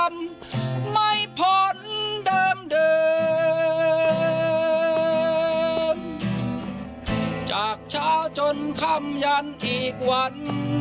ไม่พ้นเดิมเดิมจากเช้าจนคำยันอีกวัน